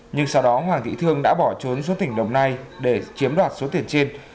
nhưng sau đó hoàng thị thương đã bỏ trốn xuống tỉnh đồng nai để chiếm đoạt số tiền trên